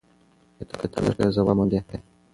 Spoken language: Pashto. که ته لټون کوې ځواب موندې.